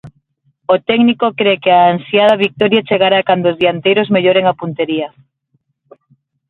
O técnico cre que a ansiada vitoria chegará cando os dianteiros melloren a puntería.